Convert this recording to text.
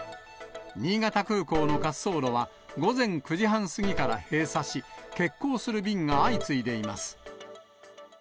新潟空港の滑走路は、午前９時半過ぎから閉鎖し、欠航する便が相次いでいます。